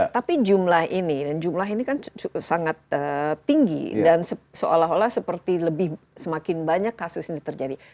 tapi jumlah ini dan jumlah ini kan sangat tinggi dan seolah olah seperti lebih semakin banyak kasus ini terjadi